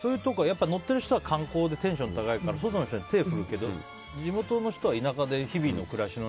乗ってる人は観光でテンション高いから外の人に手を振るけど地元の人は田舎で日々の暮らしで。